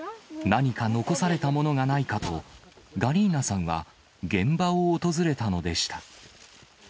何か残されたものがないかと、ガリーナさんは現場を訪れたのでした。